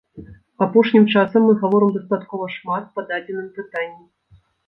Апошнім часам мы гаворым дастаткова шмат па дадзеным пытанні.